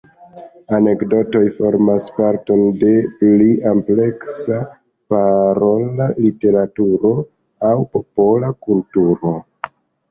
Anekdotoj formas parton de pli ampleksa parola literaturo aŭ popola kulturo.